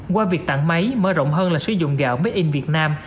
qua việc tặng máy mở rộng hơn là sử dụng gạo made in vietnam